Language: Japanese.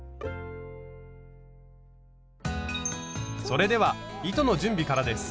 それでは糸の準備からです。